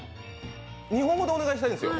日本語でお願いしますよ。